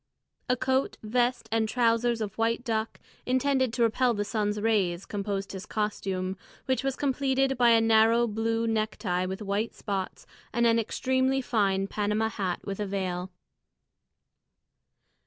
A coat, vest, and trousers of white duck, intended to repel the sun's rays, composed his costume, which was completed by a narrow blue necktie with white spots, and an extremely fine Panama hat with a veil.